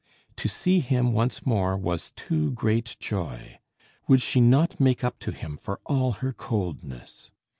To see him once more was too great joy. Would she not make up to him for all her coldness!